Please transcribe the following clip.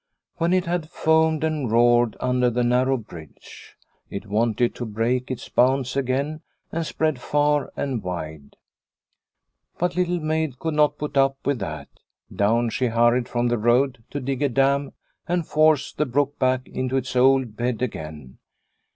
When it had foamed and roared under the narrow bridge, it wanted to break its bounds again and spread far and wide. But Little Maid could not put up with that. Down she hurried from the road to dig 204 Liliecrona's Home a dam and force the brook back into its old bed again.